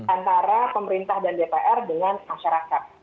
antara pemerintah dan dpr dengan masyarakat